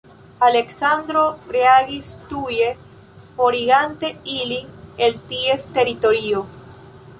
Aleksandro reagis tuje, forigante ilin el ties teritorio.